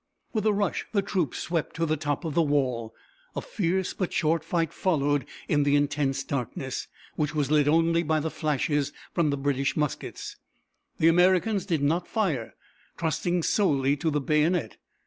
With a rush the troops swept to the top of the wall. A fierce but short fight followed in the intense darkness, which was lit only by the flashes from the British muskets. The Americans did not fire, trusting solely to the bayonet.